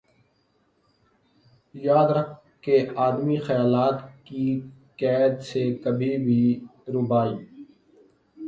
آ۔ یاد رکھ کہ آدمی خیالات کی قید سے کبھی بھی رہائ